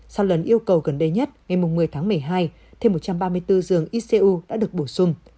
sau lần yêu cầu gần đây nhất ngày một mươi tháng một mươi hai thêm một trăm ba mươi bốn giường icu đã được bổ sung